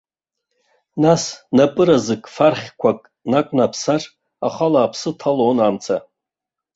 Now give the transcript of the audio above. Нас напы разык фархьқәак нақәнаԥсар, ахала аԥсы ҭалон амца.